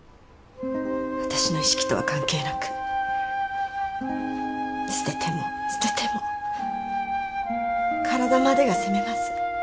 私の意識とは関係なく捨てても捨てても体までが責めます